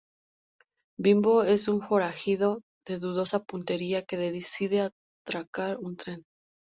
Bimbo es un forajido de dudosa puntería que decide atracar un tren.